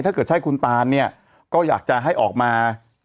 ถ้าเกิดใช่คุณตานเนี่ยก็อยากจะให้ออกมา